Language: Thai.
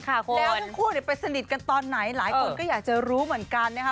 แล้วทั้งคู่ไปสนิทกันตอนไหนหลายคนก็อยากจะรู้เหมือนกันนะคะ